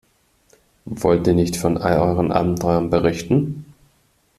Wollt ihr nicht von all euren Abenteuern berichten?